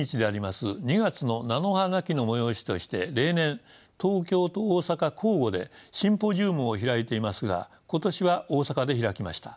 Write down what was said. ２月の菜の花忌の催しとして例年東京と大阪交互でシンポジウムを開いていますが今年は大阪で開きました。